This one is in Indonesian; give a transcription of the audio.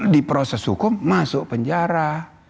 di proses hukum masuk penjara